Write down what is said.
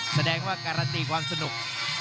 แสดงว่าการันตีความสนุก